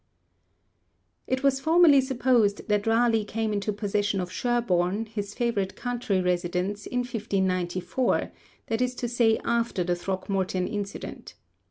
It was formerly supposed that Raleigh came into possession of Sherborne, his favourite country residence, in 1594, that is to say after the Throckmorton incident.